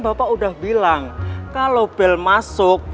bapak udah bilang kalau bel masuk